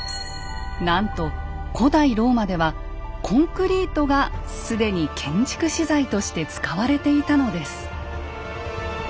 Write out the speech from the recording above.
なんと古代ローマではコンクリートが既に建築資材として使われていたのです。